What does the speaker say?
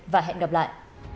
và hẹn gặp lại